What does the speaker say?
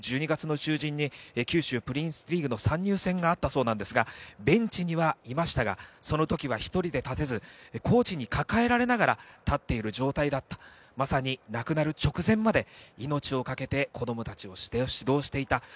１２月の中旬に九州プリンスリーグの参入戦があったそうですが、ベンチにはいましたが、その時は１人で立てず、コーチに抱えられながら立ってる状態だったとまさに亡くなる直前まで命をかけて、子供たちを指導していた。